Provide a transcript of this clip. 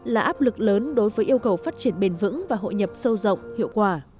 là áp lực lớn đối với yêu cầu phát triển bền vững và hội nhập sâu rộng hiệu quả